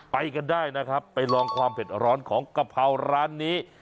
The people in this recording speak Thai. ไปกันได้นะครับไปลองความเผ็ดร้อนของกะเพราร้านนี้